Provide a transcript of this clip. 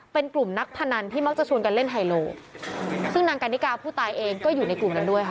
เป็นกลุ่มนักพนันที่มักจะชวนกันเล่นไฮโลซึ่งนางกันนิกาผู้ตายเองก็อยู่ในกลุ่มนั้นด้วยค่ะ